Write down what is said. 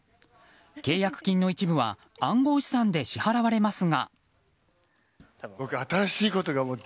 契約金の一部は暗号資産で支払われますが。